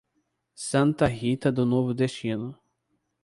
Santa Rita do Novo Destino